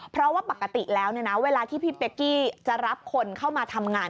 เพราะว่าปกติแล้วเวลาที่พี่เป๊กกี้จะรับคนเข้ามาทำงาน